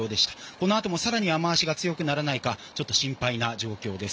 このあとも更に雨脚が強くならないか心配な状況です。